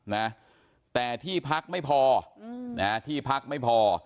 นะแต่ที่พักไม่พออืมนะฮะที่พักไม่พอ